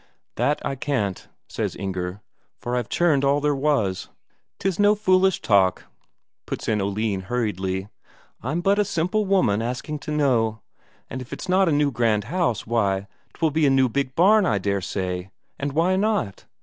"That I can't," says Inger, "for I've churned all there was." "'Tis no foolish talk," puts in Oline hurriedly; "I'm but a simple woman asking to know. And if it's not a new grand house, why, 'twill be a new big barn, I dare say; and why not?